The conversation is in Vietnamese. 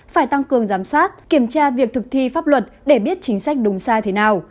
phải tăng cường giám sát kiểm tra việc thực thi pháp luật để biết chính sách đúng sai thế nào